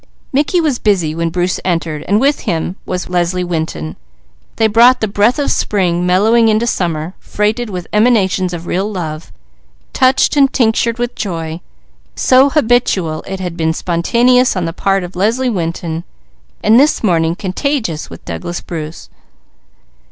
Mickey was busy when Bruce entered, and with him was Leslie Winton. They brought the breath of spring mellowing into summer, freighted with emanations of real love, touched and tinctured with joy so habitual it had become spontaneous on the part of Leslie Winton, and this morning contagious with Douglas Bruce.